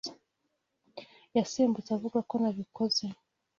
Yasimbutse avuga ko nabikoze.